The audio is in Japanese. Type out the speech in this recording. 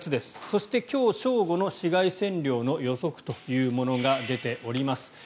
そして、今日正午の紫外線量の予測というものが出ております。